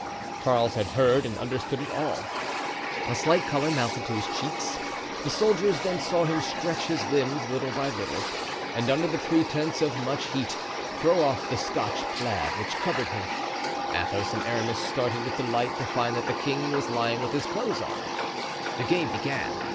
Charles had heard and understood it all. A slight color mounted to his cheeks. The soldiers then saw him stretch his limbs, little by little, and under the pretense of much heat throw off the Scotch plaid which covered him. Athos and Aramis started with delight to find that the king was lying with his clothes on. The game began.